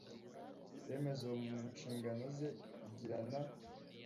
remezo mu nshingano ze igirana